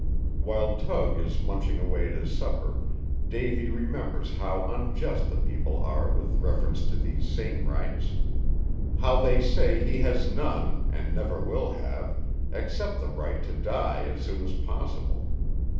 While Tug is munching away at his supper, Davy remembers how unjust the people are with reference to these same rights; how they say he has none, and never will have, except the right to die as soon as possible.